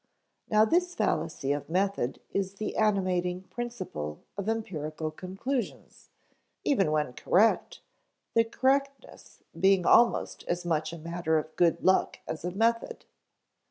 Now this fallacy of method is the animating principle of empirical conclusions, even when correct the correctness being almost as much a matter of good luck as of method.